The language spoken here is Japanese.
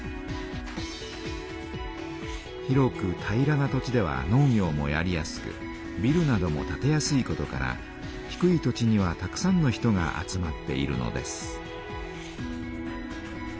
広く平らな土地では農業もやりやすくビルなども建てやすいことから低い土地にはたくさんの人が集まっているのです。